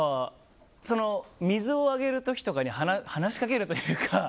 水をあげる時とかに話しかけるというか。